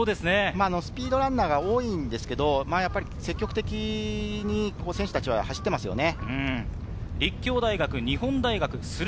スピードランナーが多いんですけれど、積極的に走っていますね。